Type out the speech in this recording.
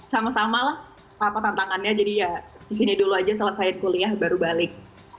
sama sama lah apa tantangannya jadi ya disini dulu aja selesai kuliah baru balik